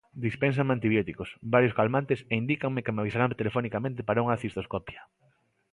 Dispénsanme antibióticos, varios calmantes e indícanme que me avisarán telefonicamente para unha cistoscopia.